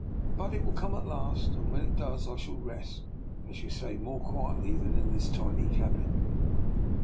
But it will come at last, and when it comes I shall rest, as you say, more quietly than in this tiny cabin."